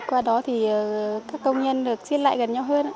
qua đó thì các công nhân được chiết lại gần nhau hơn